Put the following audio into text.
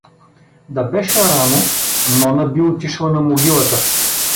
Да беше рано, Нона би отишла на могилата.